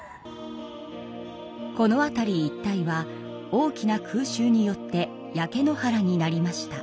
この辺り一帯は大きな空襲によって焼け野原になりました。